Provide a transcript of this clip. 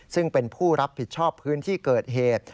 ซึ่งเป็นผู้รับผิดชอบพื้นที่เกิดเหตุ